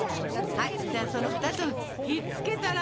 はいじゃあその２つをひっつけたら？